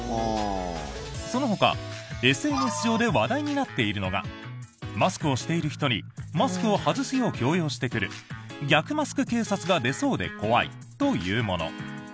そのほかＳＮＳ上で話題になっているのがマスクをしている人にマスクを外すよう強要してくる逆マスク警察が出そうで怖いというもの。